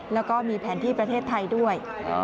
แล้วก็มีแผนที่ประเทศไทยด้วย